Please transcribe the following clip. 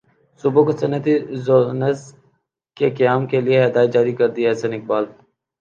صوبوں کو صنعتی زونز کے قیام کیلئے ہدایات جاری کردیں احسن اقبال